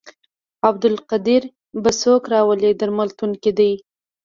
عبدالقدیر به څوک راولي درملتون کې دی.